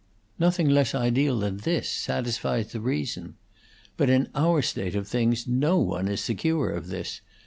Nothing less ideal than this satisfies the reason. But in our state of things no one is secure of this.